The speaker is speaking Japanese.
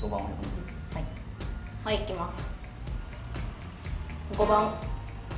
はいはいいきます